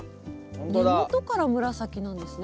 根元から紫なんですね。